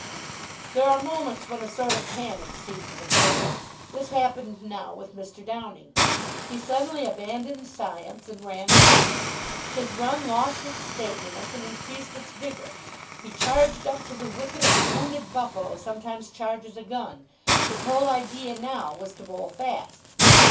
There are moments when a sort of panic seizes a bowler. This happened now with Mr. Downing. He suddenly abandoned science and ran amok. His run lost its stateliness and increased its vigour. He charged up to the wicket as a wounded buffalo sometimes charges a gun. His whole idea now was to bowl fast.